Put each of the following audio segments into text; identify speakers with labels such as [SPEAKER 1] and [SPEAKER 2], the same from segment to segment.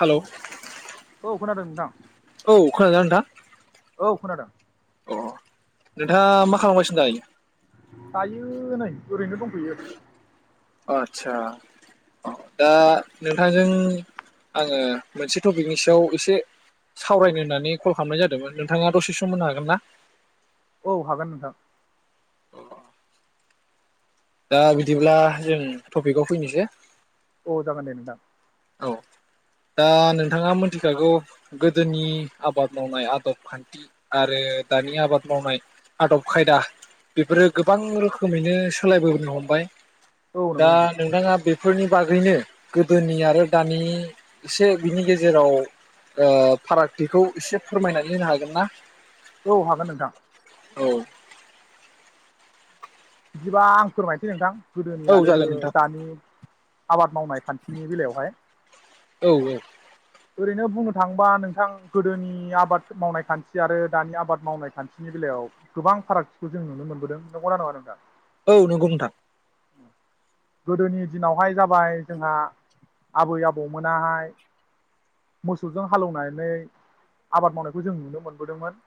[SPEAKER 1] Hello
[SPEAKER 2] खोनादों नोंथां?
[SPEAKER 1] औ खोनादों ना नोंथां?
[SPEAKER 2] औ खोनादों ।
[SPEAKER 1] अ नोंथाङा मा खालामगासिनो दायो?
[SPEAKER 2] आयो नै ओरैनो दंफैयो ।
[SPEAKER 1] आदसा औ दा नोंथांजों आंङो मोनसे टपिकनि सायाव एसे सावरायनो होननानै कल खालामनाय जादोंमोन नोंथाङा दसे सम मोननो हागोन ना?
[SPEAKER 2] औ हागोन नोंथां ।
[SPEAKER 1] दा बिदिब्ला जों टपिकआव फैनोसै ।
[SPEAKER 2] औ जागोन दे नोंथां ।
[SPEAKER 1] औ दा नोंथाङा मोनथिखागौ गोदोनि आबाद मावनाय आदब खान्थि आरो दानि आबाद मावनाय आदब खायदा बेफोरो गोबां रोखोमैनो सोलायबोनो हमबाय ।
[SPEAKER 2] औ
[SPEAKER 1] दा
[SPEAKER 2] नंगौ नोंथां
[SPEAKER 1] नोंथाङा बे फोरनि बागैनो गोदोनि आरो दानि एसे बिनि गेजेराव ओ फारागथिखौ एसे फोरमायनानै होनो हागोन ना?
[SPEAKER 2] औ हागोन नोंथां ।
[SPEAKER 1] औ
[SPEAKER 2] बिदिबा आं फोरमायनोसै नोंथां । गोदोनि
[SPEAKER 1] औ
[SPEAKER 2] आरो
[SPEAKER 1] जागोन नोंथां
[SPEAKER 2] दानि आबाद मावनाय खान्थिनि बेलायावहाय
[SPEAKER 1] औ
[SPEAKER 2] । ओरैनो बुंनो थाङोबा नोंथां गोदोनि आबाद मावनाय खान्थि आरो दानि आबाद मावनाय खान्थिनि बेलायाव गोबां फारागथिखौ जों नुनो मोनबोदों नंगौना नङा नोंथां
[SPEAKER 1] औ नंगौ नोंथां ।
[SPEAKER 2] गोदोनि दिनावहाय जाबाय जोंहा आबै आबौमोनाहाय मोसौजों हालौवनानै आबाद मावनायखौ जों नुनो मोनबोदोंमोन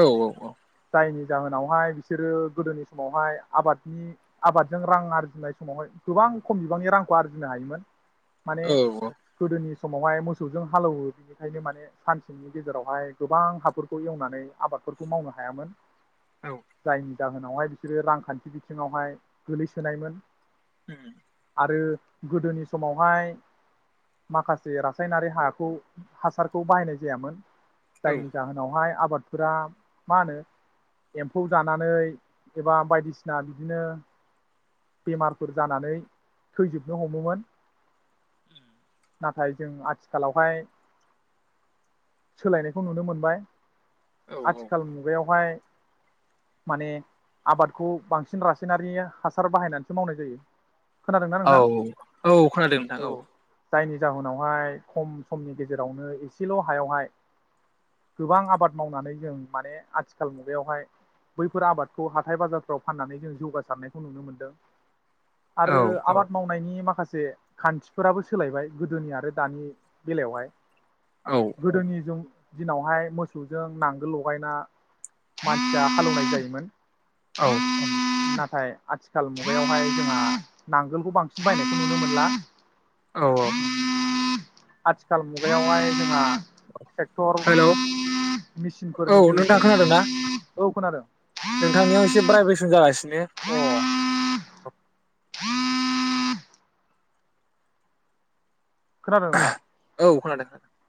[SPEAKER 1] औ औ औ
[SPEAKER 2] जायनि जाहोनावहाय बिसोरो गोदोनि समावहाय आबादनि आबादजों रां आरजिनाय समावहाय गोबां खम बिबांनि रांखौ आरजिनो हायोमोन । माने
[SPEAKER 1] औ
[SPEAKER 2] गोदोनि समावहाय मोसौजों हालौवो बिनिखायनो माने सानसेनि गेजेरावहाय गोबां हाफोरखौ एवनानै आबादफोरखौ मावनो हायामोन।
[SPEAKER 1] औ
[SPEAKER 2] जायनि जाहोनावहाय बिसोर रांखान्थि बिथिङावहाय गोलैसोनायमोन
[SPEAKER 1] उम
[SPEAKER 2] आरो गोदोनि समावहाय माखासे रासायनारि हाखौ हासारखौ बाहायनाय जायामोन
[SPEAKER 1] औ
[SPEAKER 2] जायनि जाहोनावहाय आ आबादफोरा मा होनो एम्फौ जानानै एबा बायदिसिना बायदिसिना बिदिनो बेमारफोर जानानै थैजोबनो हमोमोन ।
[SPEAKER 1] उम
[SPEAKER 2] नाथाय जों आथिखालावहाय सोलायनायखौ नुनो मोनबाय आथिखाल मुगायावहाय माने आबादखौ बांसिन रासायनारि हासार बाहायनानैसो मावनाय जायो ।
[SPEAKER 1] औ औ खोनादों नोंथां औ ।
[SPEAKER 2] जायनि जाहोनावहाय खम समनि गेजेरावनो एसेल हायावहाय गोबां आबाद मावनानै जों माने आथिखाल मुगायावहाय बैफोर आबादखौ हाथाय बाजार फ्राव फाननानै जों जौगासारनायखौ नुनो मोनदों । आरो
[SPEAKER 1] औ
[SPEAKER 2] आबाद मावनायनि माखासे जे खान्थिफोराबो सोलायबाय गोदोनि आरो दानि बेलायावहाय
[SPEAKER 1] औ
[SPEAKER 2] । गोदोनि जों दिनावहाय मोसौजों नांगोल लगायना मानसिया हालौवनाय जायोमोन ।
[SPEAKER 1] औ ।
[SPEAKER 2] नाथाय आथिखाल मुगायावहाय जोंहा नांगोलखौ बांसिन बायनायखौ नुनो मोनला ।
[SPEAKER 1] औ औ ।
[SPEAKER 2] आथिखाल मुगायावहाय जोंहा
[SPEAKER 1] हेल' औ
[SPEAKER 2] ट्रेक्टर मेसिनफोरनि
[SPEAKER 1] नोंथां
[SPEAKER 2] जोहैजों
[SPEAKER 1] खोनादों ना
[SPEAKER 2] औ खोनादों
[SPEAKER 1] प्रायबेसन जागासिनो [unintelligible]
[SPEAKER 2] अ खोनादों नोंथां
[SPEAKER 1] औ खोनादों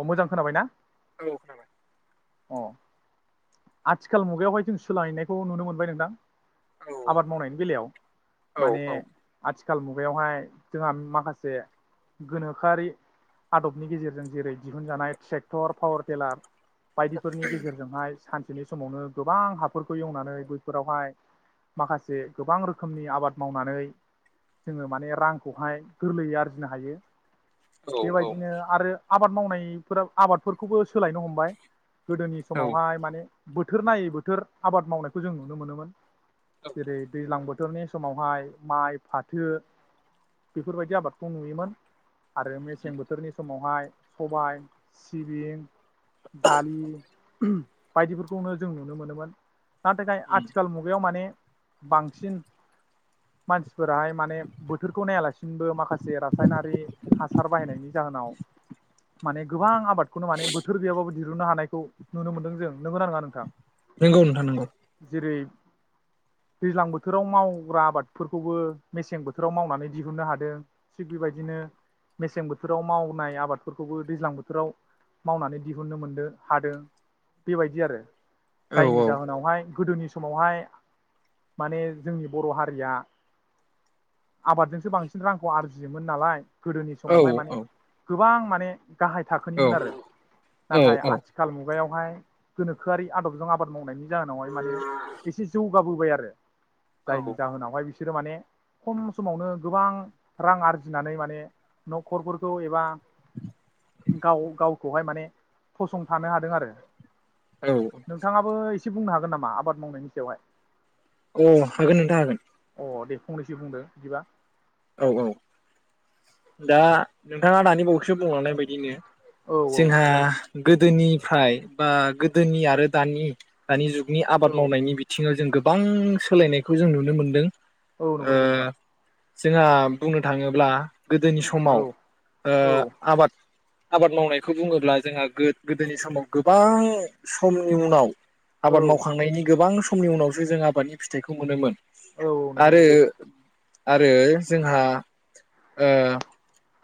[SPEAKER 2] अ मोजां खोनाबाय ना?
[SPEAKER 1] औ खोनाबाय ।
[SPEAKER 2] अ आथिखाल मुगायावहाय जों सोलायनायखौ नुनो मोनबाय नोंथां
[SPEAKER 1] औ
[SPEAKER 2] । आबाद मावनायनि बेलायाव
[SPEAKER 1] औ
[SPEAKER 2] माने
[SPEAKER 1] औ
[SPEAKER 2] आथि खाल मुगायावहाय जोंहा माखासे गोनो खोआरि आदबनि गेजेरजों जेरै दिहुनजानाय ट्रेक्टर पावार टेलार बायदिफोरनि गेजेरजोंहाय सान बिनि समावनो गोबां हाफोरखौ एवनानै बैफोरावहाय माखासे गोबां रोखोमनि आबाद मावनानै जोङो माने रांखौहाय गोरलैयै आरजिनो हायो ।
[SPEAKER 1] औ
[SPEAKER 2] बेबायदिनो
[SPEAKER 1] औ
[SPEAKER 2] आरो आबाद मावनायफोरा आबादफोरखौबो सोलायनो हमबाय । गोदोनि
[SPEAKER 1] औ
[SPEAKER 2] समावहाय माने बोथोर नायै बोथोर आबाद मावनायखौ जों नुनो मोनोमोन, जेरै दैज्लां बोथ बोथोरनि समावहाय माइ फाथो बेफोरबायदि आबादखौ नुयोमोन आरो मेसें बोथोरनि समाव माय सबाय सिबिं दालि बायदिफोरखौनो जों नुनो मोनोमोन, ना थाखाय आथिखाल मुगायाव माने, बांसिन मानसिफोराहाय माने बोथोरखौ नायालासिनोबो माखासे रासायनारि, हासार बाहायनायनि जाहोनाव माने गोबां आबादखौनो माने बोथोर गैयाबाबो दिरुननो हानायखौ नुनो मोन्दों जों नोंगो ना नोङा नोंथां,
[SPEAKER 1] नंगौ नोंथा नंगौ
[SPEAKER 2] जेरै दैज्लां बोथोराव मावग्रा आबादफोरखौबो मेसें बोथोराव मावनानै दिहुननो हादों थिग बेबायदिनो, मेसें बोथोराव मावनाय आबादफोरखौबो दैज्लां बोथोराव मावनानै दिहुनो मोनदों हादों बेबायदि आरो
[SPEAKER 1] औ औ
[SPEAKER 2] जायनि जाहोनावहाय, गोदोनि समावहाय माने जोंनि बर' हारिया आबादजोंसो बांसिन रांखौ आरजियोमोन नालाय, गोदोनि समावहाय माने
[SPEAKER 1] औ
[SPEAKER 2] गोबां माने गाहाय थाखोनिमोन आरो
[SPEAKER 1] औ
[SPEAKER 2] नाथाय आथिखाल मुग बिगायावहाय गोनोखोआरि आदबजों आबाद मावनायनि जाहोनावहाय माने एसे जौ बाबोबाय आरो जायनि जाहोनावहाय बिसोर बिसोरो माने खम समावनो गोबां रां आरजिनानै माने, न'खरफोरखौ एबा गाव गाव बहाय माने फसंथानो हादों आरो
[SPEAKER 1] औ
[SPEAKER 2] नोंथाङाबो एस इसे बुंनो हागोन नामा आबाद मावनायनि सायावहाय,
[SPEAKER 1] अ हागोन नोंथां हागोन,
[SPEAKER 2] अ दे फंनैसो बुंदो बिदिबा
[SPEAKER 1] औ औ दा नोंथाङा दानि बावैसो बुंलांनाय बायदिनो
[SPEAKER 2] औ औ
[SPEAKER 1] जोंहा
[SPEAKER 2] औ
[SPEAKER 1] गोदोनिफ्राय बा गोदोनि आरो दानि दानि जुग नि आबाद मावनायनि बिथिङाव जों गो बां सोलायनायखौ जों नुनो मोनदों,
[SPEAKER 2] औ नंगौ नंगौ नोंथां,
[SPEAKER 1] जोङा बुंनो थाङोब्ला गोदोनि समाव
[SPEAKER 2] औ
[SPEAKER 1] ओ
[SPEAKER 2] औ
[SPEAKER 1] आबाद आबाद मावनायखौ बुङोब्ला जोंहा गोद गोदोनि समाव गोबां समनि उनाव आबाद मावखांनायनि गोबां स समनि उनावसो जों आबादनि फिथाइखौ मोनोमोन
[SPEAKER 2] औ नंगौ
[SPEAKER 1] आरो
[SPEAKER 2] नंगौ नोंथां
[SPEAKER 1] [unintelligible] जोंहा ओ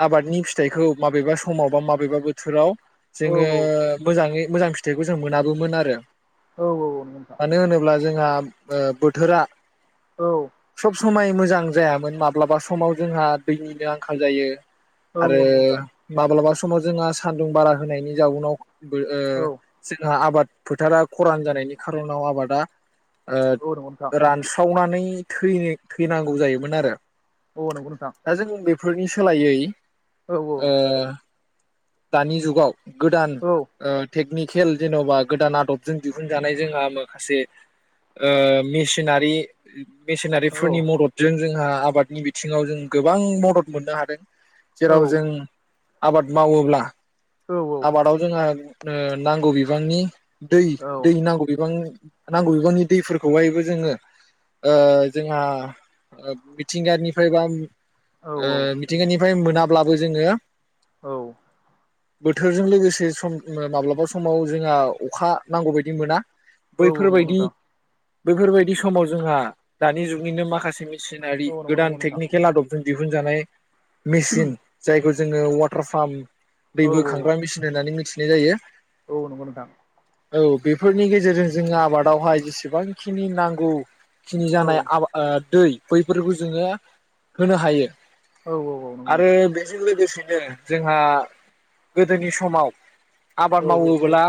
[SPEAKER 1] आबादनि फिथाइखौ माबेबा समाव बा माबेबा बोथोराव
[SPEAKER 2] औ
[SPEAKER 1] जोङो मोजाङै मोजां फिथाइखौ जों मोनाबोमोन आरो
[SPEAKER 2] औ औ नंगो नोंथां
[SPEAKER 1] मानो होनोब्ला जोंहा ओ बोथोरा
[SPEAKER 2] औ
[SPEAKER 1] सबस समाय मोजां जायामोन माब्लाबा समाव जोंहा दैनिनो आंखाल जायो
[SPEAKER 2] औ
[SPEAKER 1] आरो
[SPEAKER 2] नंगौ नोंथां
[SPEAKER 1] माब्लाबा स समाव जोंहा सान्दुं बारा होनायनि जाउनाव बो ओ
[SPEAKER 2] औ
[SPEAKER 1] जोंहा आबाद फोथारा खरान जानायनि खारनाव आबादा ओ
[SPEAKER 2] औ नंगौ नोंथां
[SPEAKER 1] रानस्रावनानै [unintelligible] थैनांगौ जायोमोन आरो
[SPEAKER 2] औ नंगो नोंथां
[SPEAKER 1] फोरनि सोलायै
[SPEAKER 2] औ
[SPEAKER 1] ओ दानि जुगाव गोदान
[SPEAKER 2] औ
[SPEAKER 1] ओ टेकनिक खेल जेन'बा गोदान आदब जों दिहुनजानाय जोंहा माखासे ओ मिसिनारि
[SPEAKER 2] औ
[SPEAKER 1] मेसिनारिफोरनि मददजों जोंहा आबाद नि बिथिङाव जों गोबां मदद मोननो हादों। जेराव जों आबाद मावोब्ला आबादाव जोंहा ओ नांगौ बिबांनि दै दै नांगौ बिबां नांगौ बिबांनि दैफोरखौहायबो जोङो ओ जोंहा मिथिंगानिफ्राय बा
[SPEAKER 2] औ
[SPEAKER 1] ओ मिथिंगानि फ्राय मोनाब्लाबो जोङो
[SPEAKER 2] औ
[SPEAKER 1] बोथोरजों लोगोसे सम ओ माब्लाबा समाव जोंहा अखा नांगौ बायदि मोना।
[SPEAKER 2] औ नोंगौ नोंथां।
[SPEAKER 1] बेफोरबायदि समाव जोंहा दानि जुगनिनो माखासे सिनारि
[SPEAKER 2] औ नंगौ नंगौ
[SPEAKER 1] गोदान
[SPEAKER 2] नोंथां
[SPEAKER 1] टेक्निकेल आदबजों दिहुनजानाय मिसिन जायखौ जोङो वाटार फार्म। दै
[SPEAKER 2] औ
[SPEAKER 1] बोखांग्रा मिसिन होननानै मिथि नाय जायो।
[SPEAKER 2] औ नोंगौ नोंथां।
[SPEAKER 1] औ बेफोरनि गेजेरजों जोंङो आबादावहाय जेसेबांखिनि नांगौ खिनि
[SPEAKER 2] औ
[SPEAKER 1] जानाय आबा ओ दै बैफोरखौ जोङो होनो हायो।
[SPEAKER 2] औ औ नंगौ
[SPEAKER 1] आरो
[SPEAKER 2] नोंथां औ
[SPEAKER 1] बेजों लोगोसे ओ जोंहा गोदोनि समाव आबाद
[SPEAKER 2] औ
[SPEAKER 1] मावोबोला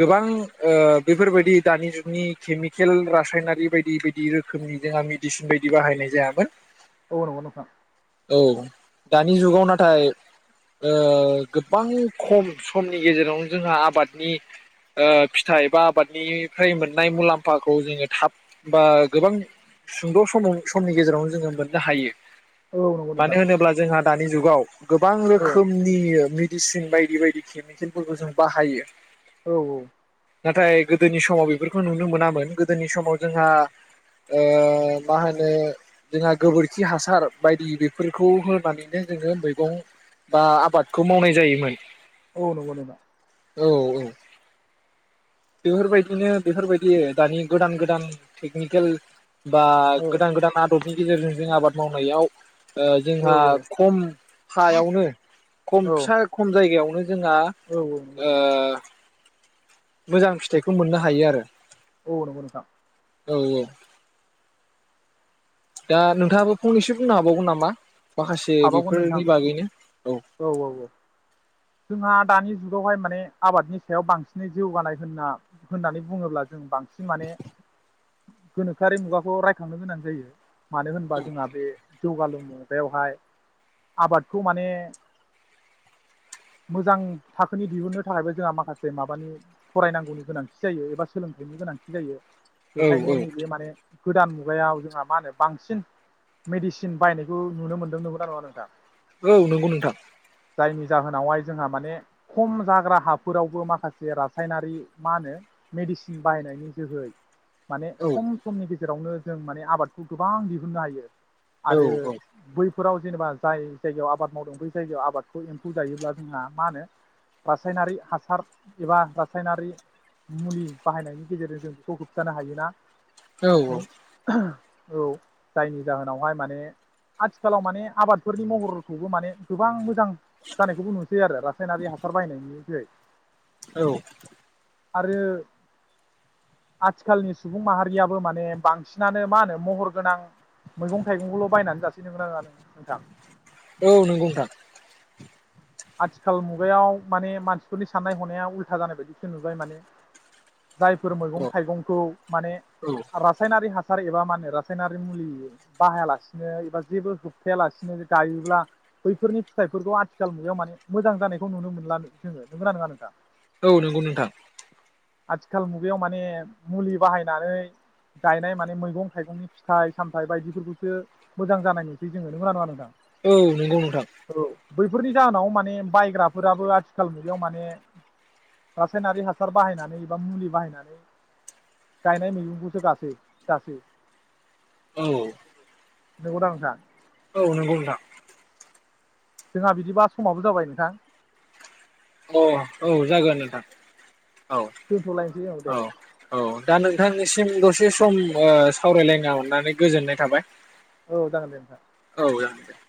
[SPEAKER 1] गोबां ओ बेफोरबायदि दानि जुगनि खिमिकेल रासायनारि बायदि बायदि रोखोमनि जोंहा मेडिसिन बायदि बाहायनाय जायामोन।
[SPEAKER 2] औ नोंगौ नोंथां।
[SPEAKER 1] औ दानि जुगाव नाथाय ओ गोबां खम समनि गेजेरावनो जोंहा आबादनि ओ फिथाइ बा आबादनिफ्राय मोननाय मुलाम्फाखौ जोङो थाब बा गोबां सुंद समाव समनि गेजेरावनो जोङो मोननो हायो मानो
[SPEAKER 2] औ नंगौ नोंथां औ नंगौ नोंथां औ
[SPEAKER 1] होनोब्ला जोंहा दानि जुगाव गोबां रोखोमनि ओ मेसिन बायदि बायदि केमिकेलफोरखौ जों बाहायो
[SPEAKER 2] औ औ
[SPEAKER 1] नाथाय गोदोनि समाव बेफोरखौ नुनो मोनामोन गोदोनि समाव जोंहा ओ मा होनो ओ जोंहा गोबोरखि हासार बायदि बेफोरखौ होनानैनो जोङो मैगं बा आबादखौ मावनाय जायोमोन
[SPEAKER 2] औ नगौ नोंथां
[SPEAKER 1] औ औ बेफोरबायदिनो बेफोरबायदि दानि गोदान गोदान टेकनिकेल बा गोदान गोदान आदब नि गेजेरजों जों आबाद मावनायाव ओ जोंहा खम हायावनो खम फिसा जायगायावनो जोंहा ओ मोजां फिथाइखौ मोननो हायो आरो।
[SPEAKER 2] औ नंगौ नोंथां।
[SPEAKER 1] औ औ। दा नोंथाङाबो फंनैसो बुंनो हाबावगोन नामा। माखासे
[SPEAKER 2] हाबावगोन नोंथां
[SPEAKER 1] बेफोरनि बागैनो। औ
[SPEAKER 2] औ औ जोंहा दानि जुगावहाय माने आबादनि सायाव बांसिनै जौगानाय होनना होननानै बुङोब्ला जों बां सिन माने गोनोखोआरि मुगाखौ रायखांनो गोनां जायो। मानो होनबा जोंहा बे जौगालु मुगायावहाय आबादखौ माने मोजां थाखोनि दिहुननो थाखायबो जोंहा माखासे माबानि फरायनांगौनि गोनांथि जायो एबा सोलोंथाइनि गोनांथि जायो।
[SPEAKER 1] औ
[SPEAKER 2] बेखायनो
[SPEAKER 1] औ
[SPEAKER 2] नैबे माने गोदान मुगायाव जोंहा मा होनो बांसिन मेडिसिन बायनायखौ नुनो मोनदों नंगौना नङा नोंथां।
[SPEAKER 1] औ नंगौ नोंथां।
[SPEAKER 2] जायनि जाहोनावहाय जोंहा माने खम जाग्रा हाफोरावबो माखासे रासायनारि मा होनो मेडिसिन बाहायनायनि जोहै माने
[SPEAKER 1] औ
[SPEAKER 2] खम समनि जेरावनो जों माने आबादखौ गोबां दिहुननो हायो।
[SPEAKER 1] औ
[SPEAKER 2] आरो बै फोराव जेनेबा जाय जायगायाव आबाद मावदों बै जायगायाव आबादखौ एम्फौ जायोब्ला जोंहा मा होनो रासायनारि हासार एबा रासायनारि मुलि बाहायनायनि गेजेरजों जों बेखौ होबथानो हायोना। औ। औ जायनि जाहोनावहाय माने आथिखालाव माने आबादफोरनि महरखौबो माने गोबां मोजां जानायखौ बुंनोसै आरो रासायनारि हासार बायनायनि जोहै।
[SPEAKER 1] औ।
[SPEAKER 2] आरो आथिखालनि सुबुं माहारियाबो माने बांसिनानो मा होनो महर गोनां मैगं थाइगंखौल' बायनानै जासै नोंगो ना नोंङा नोंथां?
[SPEAKER 1] औ नोंगौ नोंथां।
[SPEAKER 2] आथिखाल मुगायाव माने मानसिफोरनि साननाय हनाया उल्था जानाय बायदिसो नुबाय माने जायफोर
[SPEAKER 1] औ
[SPEAKER 2] मैगं थाइगंखौ माने
[SPEAKER 1] औ
[SPEAKER 2] रासायनारि हास सार एबा मा होनो रासायनारि मुलि बाहायालासिनो एबा जेबो जोबथायालासिनो गायोब्ला बैफोरनि फिथाइफोरखौ आथि साल मुगायाव माने मोजां जानायखौ नुनो मोनला जोङो नो जोंङो नोंगो ना नोंङा नोंथां?
[SPEAKER 1] औ नोंगौ नोंथां।
[SPEAKER 2] आथिखाल मुगायाव माने मुलि बाहायनानै गायनाय माने मैगं थाइगंनि फिथाइ सामथाइ बायदिफोरखौसो मोजां जानाय नुसै जोङो नोंगौ ना नङा नोंथां?
[SPEAKER 1] औ नोंगौ नोंथां।
[SPEAKER 2] औ बैफोरनि जाहोनाव माने बायग्राफोराबो आथिखाल मुगायाव माने रासायनारि हासार बाहायनानै एबा मुलि बाहायनानै गायनाय मैगंखौसो गासै जासै।
[SPEAKER 1] औ
[SPEAKER 2] न गदांखा [inaudible]
[SPEAKER 1] औ नंगौ नोंथां
[SPEAKER 2] जोंहा बिदिबा समाबो जाबाय नोंथां।
[SPEAKER 1] अ औ जागोन नोंथां। औ
[SPEAKER 2] दोनथ'लायसै औ दे
[SPEAKER 1] औ दा नोंथांनिसिम दसे सम ओ सावरायलायनो हानानै गोजोननाय थाबाय।
[SPEAKER 2] औ जागोन दे नोंथां।
[SPEAKER 1] ज ज द [inaudible]